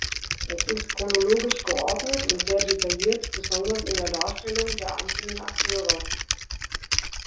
Es ist chronologisch geordnet und sehr detailliert, besonders in der Darstellung der einzelnen Akteure.